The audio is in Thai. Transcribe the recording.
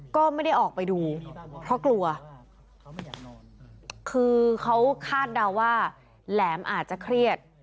ก็ไม่ได้ออกไปดูเพราะกลัวคือเขาคาดเดาว่าแหลมอาจจะเครียด